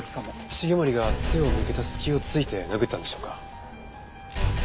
繁森が背を向けた隙を突いて殴ったんでしょうか？